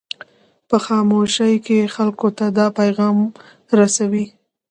په خاموشۍ کې خلکو ته دا پیغام رسوي.